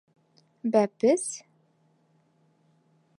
— Бәпе-ес?